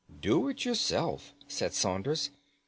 "Do it yourself," said Saunders.